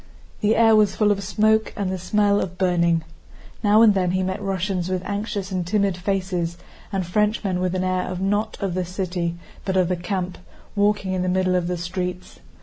The air was full of smoke and the smell of burning. Now and then he met Russians with anxious and timid faces, and Frenchmen with an air not of the city but of the camp, walking in the middle of the streets.